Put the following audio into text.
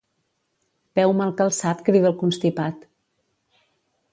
Peu mal calçat crida el constipat.